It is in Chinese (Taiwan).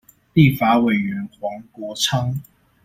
立法委員黃國昌